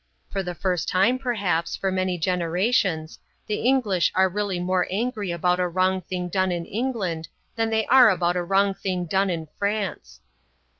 For the first time, perhaps, for many generations, the English are really more angry about a wrong thing done in England than they are about a wrong thing done in France."